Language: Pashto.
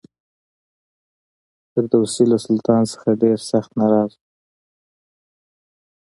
فردوسي له سلطان څخه ډېر سخت ناراض و.